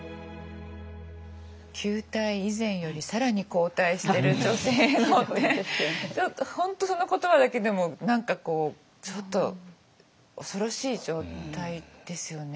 旧態依然より更に後退してる女性のってちょっと本当その言葉だけでも何かこうちょっと恐ろしい状態ですよね。